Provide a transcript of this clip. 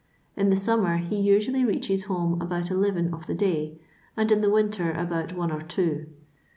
In the summer be usually reaches home about eleven of the day, and in the wmter about one or two.